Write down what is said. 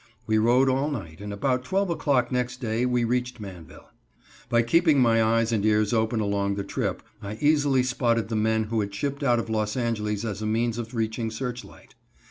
We rode all night, and about 12 o'clock next day we reached Manvel. By keeping my eyes and ears open along the trip I easily spotted the men who had shipped out of Los Angeles as a means of reaching Searchlight.